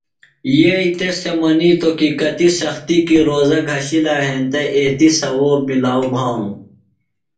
یئی تس تھےۡ منِیتوۡ کی کتیۡ سختیۡ کیۡ روزوہ گھشِلوۡ ہینتہ اتِئے ثوؤب مِلاؤ بھانوۡ۔